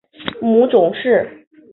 母仲氏。